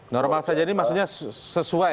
normal saja ini maksudnya sesuai